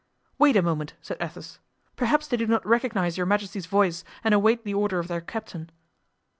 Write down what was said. "Wait a moment," said Athos, "perhaps they do not recognize your majesty's voice, and await the order of their captain."